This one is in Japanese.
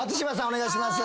お願いします。